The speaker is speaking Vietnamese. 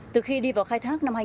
từ khi đi vào khách sạn